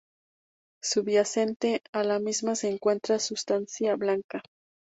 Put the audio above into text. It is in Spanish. Subyacente a la misma se encuentra la sustancia blanca.